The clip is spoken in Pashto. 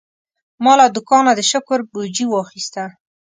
ما له دوکانه د شکر بوجي واخیسته.